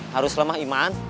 harus lemah iman